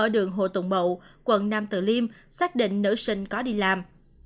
quận hồ tùng mậu quận nam tự liêm xác định nữ sinh có đi làm